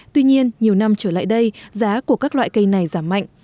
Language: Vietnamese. tuy nhiên nhiều năm trở lại đây giá của các loại cây này giảm mạnh